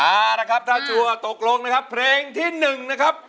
เอาละครับถ้าชัวร์ตกลงนะครับเพลงที่๑นะครับ